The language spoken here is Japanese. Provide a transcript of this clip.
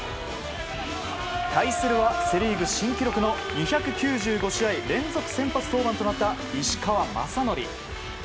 対するはセ・リーグ新記録の２９５試合連続先発登板となった石川雅規。